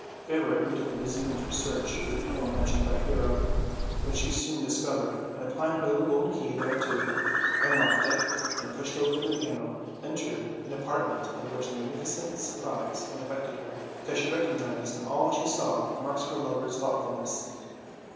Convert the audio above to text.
Fairer immediately resumed her search for the panel mentioned by Pyrrho, which she soon dis covered, and applying her little golden key thereto, un locked it, and, pushing open the panel, entered an apart ment of which the magnificence surprised and aifected her, because she recognized in all she saw marks of her lover's thoughtfulness.